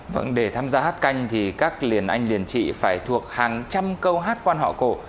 vâng để tham gia hát canh thì các liền anh liền chị phải thuộc hàng trăm câu hát quan họ cổ